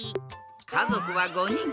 かぞくは５にん。